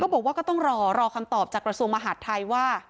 บอกว่าก็ต้องรอรอคำตอบจากกระทรวงมหาดไทยว่า